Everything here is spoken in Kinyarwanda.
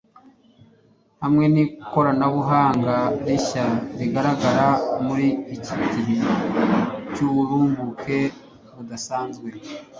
hamwe n'ikoranabuhanga rishya rigaragara muri iki gihe cy'uburumbuke budasanzwe